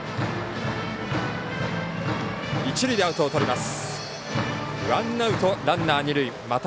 一塁でアウトをとります。